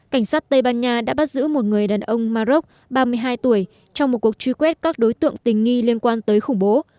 cảnh sát tây ban nha đã bắt giữ một người đàn ông maroc ba mươi hai tuổi trong một cuộc truy quét các đối tượng tình nghi liên quan tới khủng bố